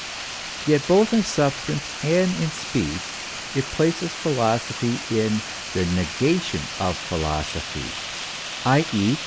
Yes, both in substance and in speech, it places philosophy in the negation of philosophy, i. e.